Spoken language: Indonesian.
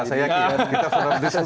saya yakin kita sudah bisa